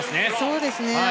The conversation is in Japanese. そうですね。